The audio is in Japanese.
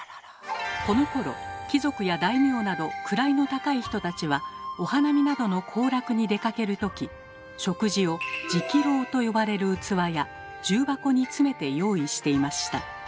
このころ貴族や大名など位の高い人たちはお花見などの行楽に出かける時食事を「食籠」と呼ばれる器や重箱に詰めて用意していました。